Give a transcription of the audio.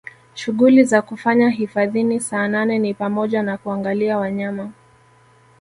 Shughuli za kufanya hifadhini Saanane ni pamoja na kuangalia wanyama